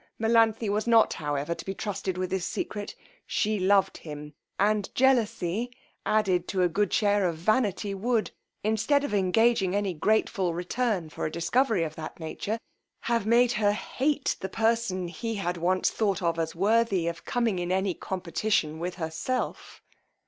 Melanthe was not, however, to be trusted with this secret; she loved him, and jealousy, added to a good share of vanity, would, instead of engaging any grateful return for a discovery of that nature, have made her hate the person he had once thought of as worthy of coming in any competition with herself.